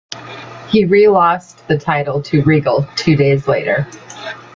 He re-lost the title to Regal two days later.